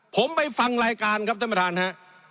ผมไปฟังรายการครับท่านประธานฮะ